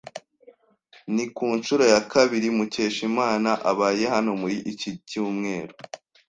Ni ku nshuro ya kabiri Mukeshimana abaye hano muri iki cyumweru.